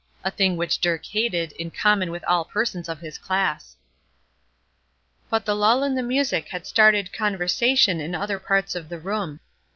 A thing which Dirk hated, in common with all persons of his class. But the lull in the music had started conversation in other parts of the room.